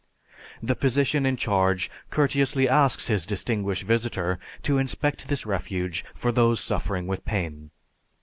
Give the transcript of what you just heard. The physician in charge courteously asks his distinguished visitor to inspect this refuge for those suffering with pain.